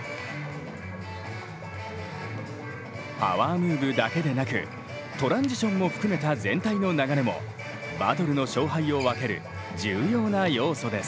パワームーブだけでなくトランジションも含めた全体の流れもバトルの勝敗を分ける重要な要素です。